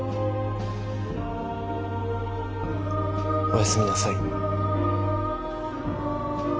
おやすみなさい。